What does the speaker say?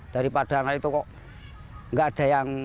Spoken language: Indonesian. daripada anak itu kok nggak ada yang